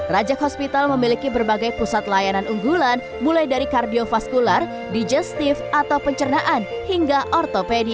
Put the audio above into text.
rajak hospital memiliki berbagai pusat layanan unggulan mulai dari kardiofaskular digestif atau pencernaan hingga ortopedi